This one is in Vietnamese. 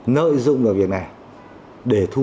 nợ dụng vào việc này để thu nở